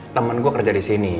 temen gua kerja disini